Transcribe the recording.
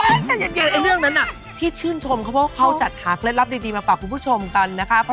อย่างเย็นเรื่องนั้นน่ะพี่ชื่นชมเขาก็จะหาเคล็ดลับดีมาฝากคุณผู้ชมกันนะครับ